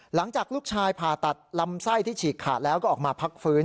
หลังจากลูกชายผ่าตัดลำไส้ที่ฉีกขาดแล้วก็ออกมาพักฟื้น